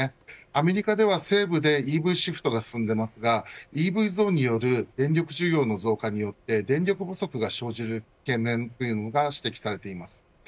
アメリカでは西部でＥＶシフトが進んでいますがＥＶ増による電力需要の増加によって電力不足が生じる懸念が指摘されています。